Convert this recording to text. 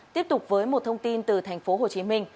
tiếp tục với một thông tin từ thành phố hồ chí minh